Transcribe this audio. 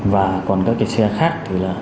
và còn các xe khác